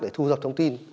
để thu dọc thông tin